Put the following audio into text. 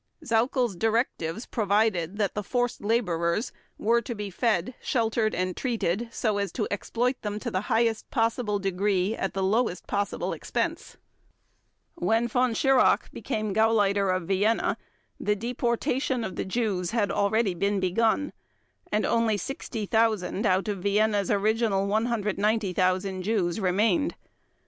Sauckel's directives provided that the forced laborers were to be fed, sheltered, and treated so as to exploit them to the highest possible degree at the lowest possible expense. When Von Schirach became Gauleiter of Vienna the deportation of the Jews had already been begun, and only 60,000 out of Vienna's original 190,000 Jews remained.